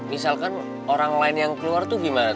misalkan orang lain yang keluar tuh gimana